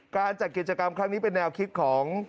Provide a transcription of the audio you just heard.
การจัดกิจกรรมครั้งนี้เป็นแนวคิดของ